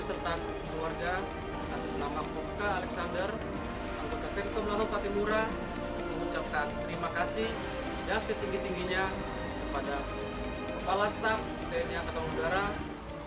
mengucapkan terima kasih dan setinggi tingginya kepada bapak kepala staff tni angkatan udara